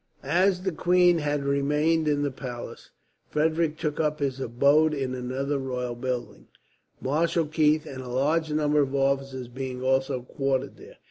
As the queen had remained in the palace, Frederick took up his abode in another royal building, Marshal Keith and a large number of officers being also quartered there.